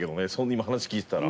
今話聞いてたら。